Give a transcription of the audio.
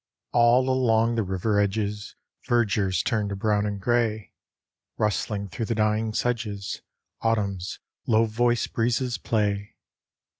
All along the river edges Verdure's turned to brown and gray, Rustling through the dying sedges Autumn's low voiced breezes play.